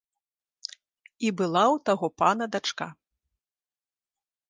І была ў таго пана дачка.